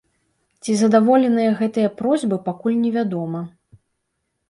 Ці задаволеныя гэтыя просьбы, пакуль невядома.